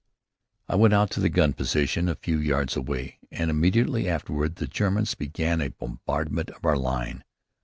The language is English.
I went out to the gun position a few yards away, and immediately afterward the Germans began a bombardment of our line.